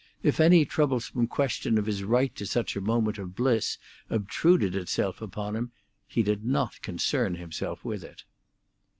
If any troublesome question of his right to such a moment of bliss obtruded itself upon him, he did not concern himself with it.